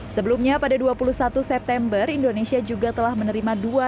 sebelumnya pada dua puluh satu september indonesia juga telah menerima